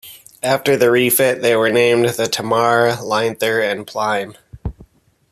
After the refit, they were named the "Tamar", "Lynher" and "Plym".